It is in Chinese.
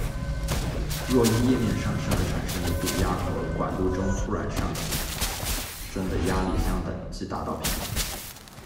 若因液面上升而产生的液压和管路中突然上升的压力相等，即达到平衡。